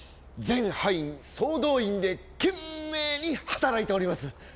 全葉員総動員で懸命に働いております。